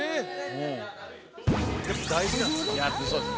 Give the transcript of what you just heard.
「やっぱ大事なんですね」